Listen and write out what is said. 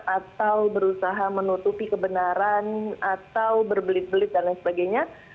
atau berusaha menutupi kebenaran atau berbelit belit dan lain sebagainya